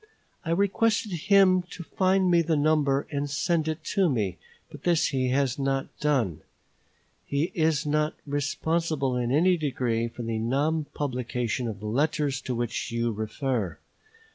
I requested him to find me the number and send it to me; but this he has not done. He is not responsible in any degree for the non publication of the letters to which you refer.